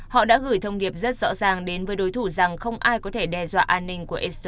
họ đã gửi thông điệp rất rõ ràng đến với đối thủ rằng không ai có thể đe dọa an ninh của israel